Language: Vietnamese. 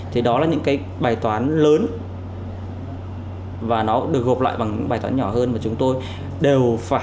thì đó là những cái bài toán lớn và nó được gộp lại bằng những bài toán nhỏ hơn mà chúng tôi đều phải